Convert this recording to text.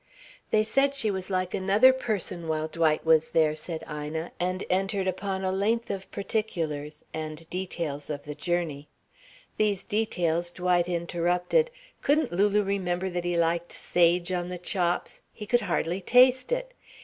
"They said she was like another person while Dwight was there," said Ina, and entered upon a length of particulars, and details of the journey. These details Dwight interrupted: Couldn't Lulu remember that he liked sage on the chops? He could hardly taste it.